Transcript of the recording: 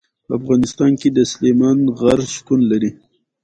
په افغانستان کې سلیمان غر شتون لري.